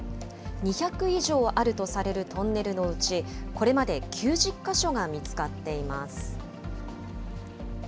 ２００以上あるとされるトンネルのうち、これまで９０か所が見つかっています。